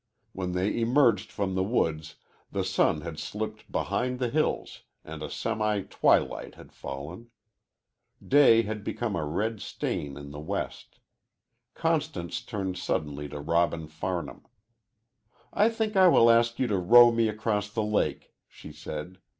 When they emerged from the woods the sun had slipped behind the hills and a semi twilight had fallen. Day had become a red stain in the west. Constance turned suddenly to Robin Farnham. "I think I will ask you to row me across the lake," she said.